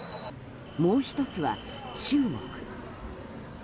もう１つは、中国。